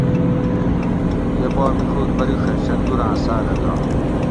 یہ پا مِڄوگ بریڛہ شندوراۤں ساۤلہ گا